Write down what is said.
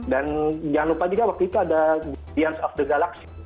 dan jangan lupa juga waktu itu ada guardians of the galaxy